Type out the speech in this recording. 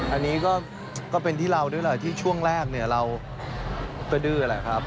อันนี้ก็เป็นที่เราด้วยแหละที่ช่วงแรกเนี่ยเราก็ดื้อแหละครับ